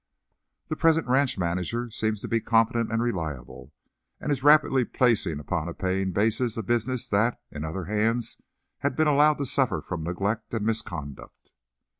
"'The present ranch manager seems to be competent and reliable, and is rapidly placing upon a paying basis a business that, in other hands, had been allowed to suffer from neglect and misconduct.